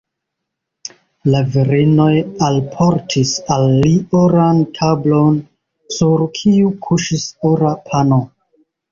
La virinoj alportis al li oran tablon, sur kiu kuŝis ora pano.